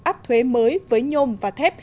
áp thuế mới với nhôm và thép